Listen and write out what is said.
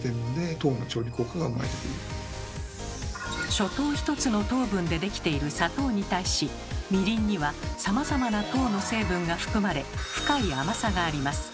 ショ糖ひとつの糖分でできている砂糖に対しみりんにはさまざまな糖の成分が含まれ深い甘さがあります。